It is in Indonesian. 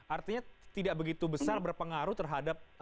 artinya tidak begitu besar berpengaruh terhadap